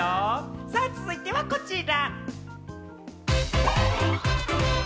さあ、続いてはこちら。